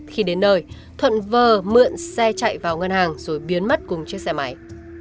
khi đến nơi thuận vờ mượn xe chạy vào ngân hàng rồi biến mất cùng chiếc xe máy